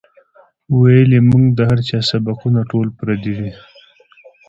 وئیلـي مونږ ته هـر چا سبقــونه ټول پردي دي